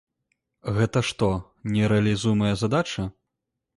Гэта што, нерэалізуемая задача?